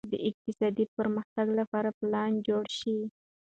د اقتصادي پرمختګ لپاره پلان جوړ شي.